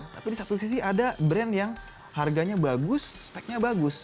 tapi di satu sisi ada brand yang harganya bagus speknya bagus